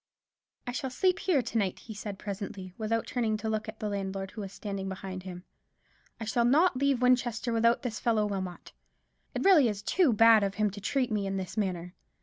"I shall sleep here to night," he said presently, without turning to look at the landlord, who was standing behind him. "I shall not leave Winchester without this fellow Wilmot. It is really too bad of him to treat me in this manner.